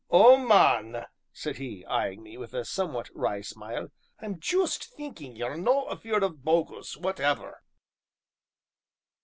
"Oh, man," said he, eyeing me with a somewhat wry smile, "I'm juist thinkin' ye're no' afeared o' bogles, whateffer!"